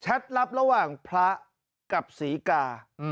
ลับระหว่างพระกับศรีกา